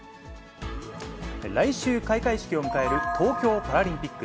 来週開会式を迎える東京パラリンピック。